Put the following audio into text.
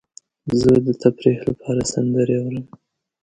زه د تفریح لپاره سندرې اورم.